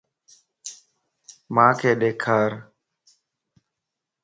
مانک ڏيکار